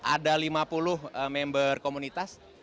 ada lima puluh member komunitas